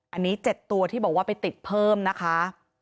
อันนี้๗ตัวที่บอกว่าไปติดเพิ่มนะคะ